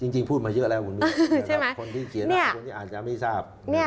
จริงพูดมาเยอะแล้วคุณมินคนที่เขียนอ่านคนที่อ่านจะไม่ทราบ